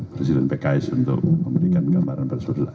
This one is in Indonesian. presiden pks untuk memberikan gambaran personal